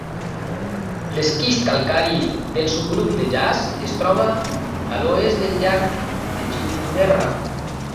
L'esquist calcari del subgrup de Yass es troba a l'oest del llac de Ginninderra.